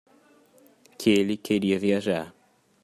Que ele queria viajar.